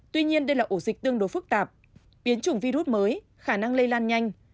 tuy nhiên đây là ổ dịch tương đối phức tạp biến chủng virus mới khả năng lây lan nhanh